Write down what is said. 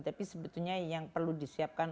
tapi sebetulnya yang perlu disiapkan